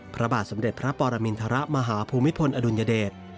พระบาทสมเด็จพระปรมินทรมาหาภูมิพลอดุลยเดช